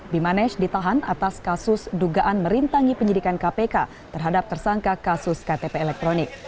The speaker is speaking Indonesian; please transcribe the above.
bimanesh ditahan atas kasus dugaan merintangi penyidikan kpk terhadap tersangka kasus ktp elektronik